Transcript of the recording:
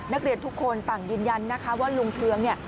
นักเรียนทุกคนต่างยืนยันนะคะว่าลุงเทืองเนี่ย